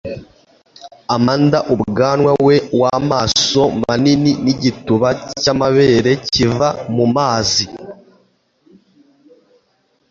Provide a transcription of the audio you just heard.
Amanda ubwanwa, we wamaso manini nigituba cyamabere kiva mumazi